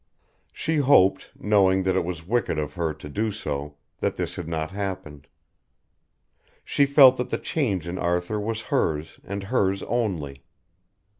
She hoped, knowing that it was wicked of her to do so, that this had not happened. She felt that the change in Arthur was hers and hers only.